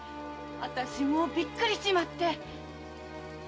私びっくりしちまって。